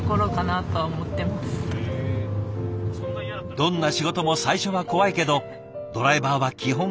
どんな仕事も最初は怖いけどドライバーは基本１人。